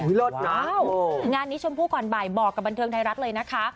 งานนี้ชมพู่ก่อนบ่ายบอกกับบันเทิงไทยรัฐเลยนะคะ